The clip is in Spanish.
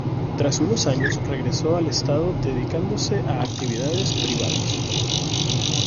Tras unos años regresó al estado dedicándose a actividades privadas.